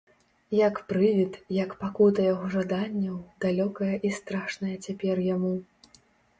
Як прывід, як пакута яго жаданняў, далёкая і страшная цяпер яму.